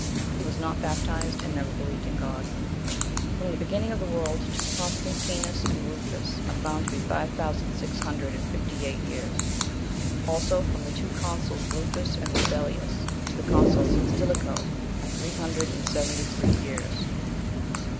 He was not baptized, and never believed in God. 66. From the beginning of the world to Constantinus and Rufus, are found to be five thousand six hundred and fifty eight years. Also from the two consuls, Rufus and Rubelius, to the consul Stilicho, are three hundred and seventy three years.